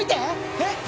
えっ。